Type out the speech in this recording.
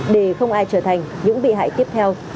để không ai trở thành những bị hại tiếp theo